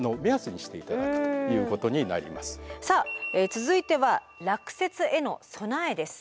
続いては落雪への備えです。